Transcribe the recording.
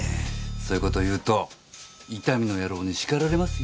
そういう事言うと伊丹の野郎に叱られますよ。